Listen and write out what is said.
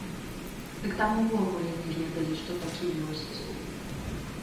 Дык там увогуле не ведалі, што такі ёсць.